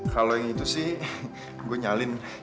kalau yang itu sih gue nyalin